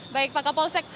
baik pak kapolsek